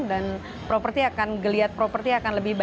dan properti akan geliat properti akan lebih baik